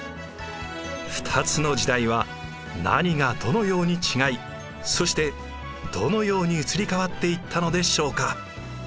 ２つの時代は何がどのように違いそしてどのように移り変わっていったのでしょうか。